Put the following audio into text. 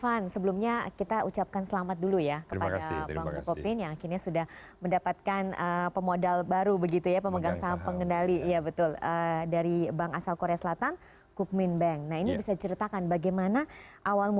dan untuk membahasnya lebih lanjut bersama kami telah hadir direktur utama pt bank bukopin tbk bapak rifan arif